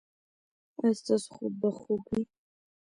ایا ستاسو خوب به خوږ وي؟